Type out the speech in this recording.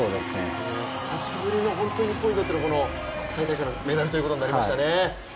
久しぶりの本当に日本にとっての国際大会のメダルになりましたね。